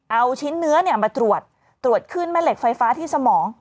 เอาชิ้นเนื้อมาตรวจตรวจขึ้นแม่เหล็กไฟฟ้าที่สมอง